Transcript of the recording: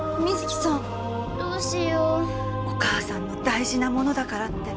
お母さんの大事なものだからって。